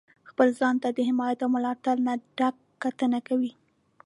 خپل ځان ته د حمایت او ملاتړ نه ډکه کتنه کوئ.